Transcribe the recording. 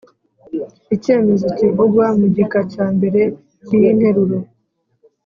Icyemezo kivugwa mu gika cya mbere cy’iyi nteruro